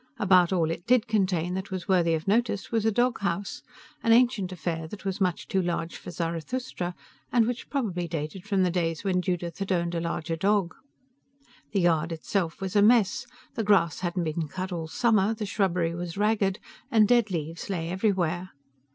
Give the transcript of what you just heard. About all it did contain that was worthy of notice was a dog house an ancient affair that was much too large for Zarathustra and which probably dated from the days when Judith had owned a larger dog. The yard itself was a mess: the grass hadn't been cut all summer, the shrubbery was ragged, and dead leaves lay everywhere.